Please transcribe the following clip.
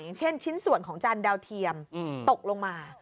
เช่นชิ้นส่วนของจานดาวเทียมตกลงมา